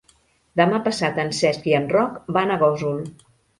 Demà passat en Cesc i en Roc van a Gósol.